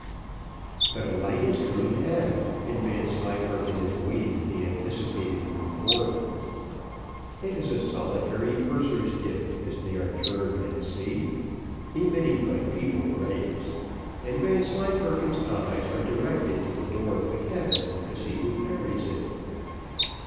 But a light is coming aft, and Vanslyperken is waiting the anticipated report. It is a solitary purser's dip, as they are termed at sea, emitting but feeble rays, and Vanslyperken's eyes are directed to the door of the cabin to see who carries it.